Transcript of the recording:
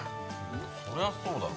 そりゃそうだろ